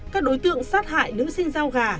các đối tượng sát hại nữ sinh giao gà